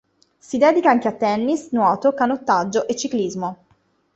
Si dedica anche a tennis, nuoto, canottaggio e ciclismo.